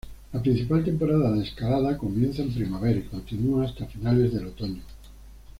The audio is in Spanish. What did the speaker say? La principal temporada de escalada comienza en primavera y continúa hasta finales del otoño.